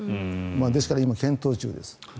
ですから今、検討中です。